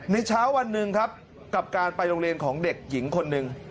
เช้าวันหนึ่งครับกับการไปโรงเรียนของเด็กหญิงคนหนึ่ง